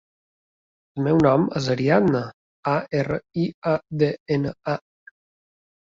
El meu nom és Ariadna: a, erra, i, a, de, ena, a.